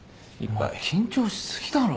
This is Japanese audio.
お前緊張しすぎだろ。